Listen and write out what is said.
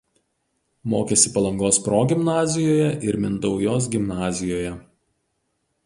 Mokėsi Palangos progimnazijoje ir Mintaujos gimnazijoje.